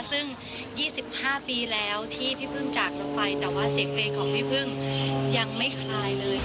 ซึ่งยี่สิบห้าปีแล้วที่พี่พึ่งจากลงไปแต่ว่าเสกเลขของพี่พึ่งยังไม่คลายเลย